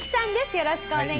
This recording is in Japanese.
よろしくお願いします。